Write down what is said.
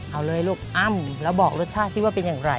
เอาเลยลูกอ้ำแล้วบอกรสชาติซิว่าเป็นอย่างไร